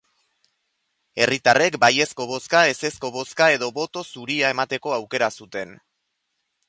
Herritarrek baiezko bozka, ezezko bozka edo boto zuria emateko aukera zuten.